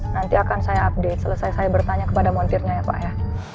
nanti akan saya update selesai saya bertanya kepada montirnya ya pak ya